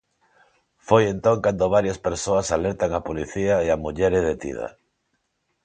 Foi entón cando varias persoas alertan a policía e a muller é detida.